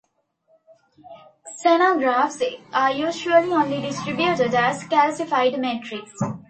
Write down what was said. Xenografts are usually only distributed as a calcified matrix.